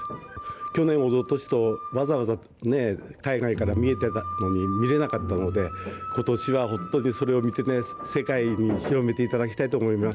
去年、おととしとわざわざ海外からみえていたのに見れなかったのでことしは本当にそれを見て世界に広めていただきたいと思います。